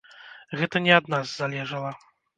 Гэта не ад нас залежала.